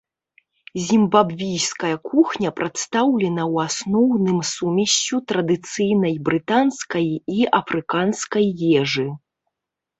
Зімбабвійская кухня прадстаўлена ў асноўным сумессю традыцыйнай брытанскай і афрыканскай ежы.